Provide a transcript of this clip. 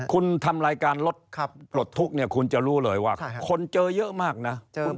คุณทำรายการรถปลดทุกข์เนี่ยคุณจะรู้เลยว่าคนเจอเยอะมากนะ